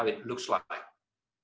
dan sempurna seperti itu